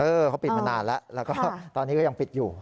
เขาปิดมานานแล้วแล้วก็ตอนนี้ก็ยังปิดอยู่